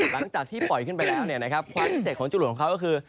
หลังจากที่ปล่อยขึ้นไปแล้วความพิเศษของจรวดของเขาก็คือ